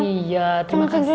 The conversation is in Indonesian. iya terima kasih